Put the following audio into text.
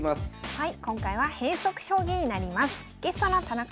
はい。